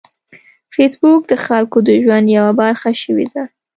فېسبوک د خلکو د ژوند یوه برخه شوې ده